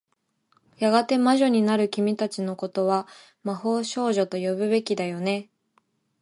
やがて魔女になる君たちの事は、魔法少女と呼ぶべきだよね。